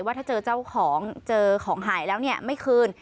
ว่าถ้าเจอเจ้าของเจอของหายแล้วไม่คืน